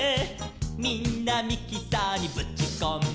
「みんなミキサーにぶちこんで」